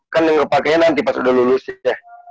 kan yang pakainya nanti pas udah lulus ya